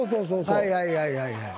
はいはいはいはい。